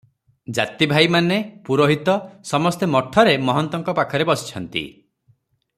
ଜାତି ଭାଇମାନେ, ପୁରୋହିତ ସମସ୍ତେ ମଠରେ ମହନ୍ତଙ୍କ ପାଖରେ ବସିଛନ୍ତି ।